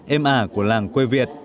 êm ả của làng quê việt